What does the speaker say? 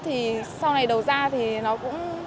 thì sau này đầu ra thì nó cũng